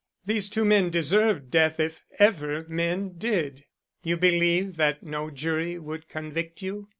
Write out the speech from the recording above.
These two men deserved death if ever men did." "You believe that no jury would convict you?"